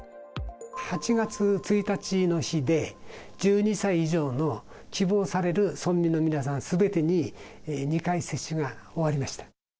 ８月１日の日で、１２歳以上の希望される村民の皆さんすべてに２回接種が終わりました。